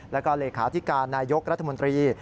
แล้วก็เลขาธิการนายกรัฐมนตรี